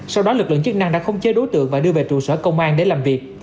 sau đó lực lượng chức năng đã khống chế đối tượng và đưa về trụ sở công an để làm việc